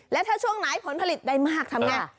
และถ้าช่วงไหนผลผลิตได้มากทำไง